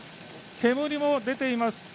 煙も出ています。